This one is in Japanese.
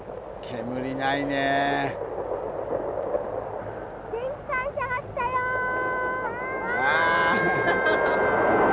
煙ないね。わ！